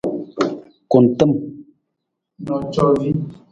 Kuntim.